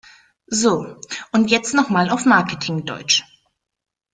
So, und jetzt noch mal auf Marketing-Deutsch!